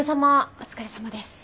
お疲れさまです。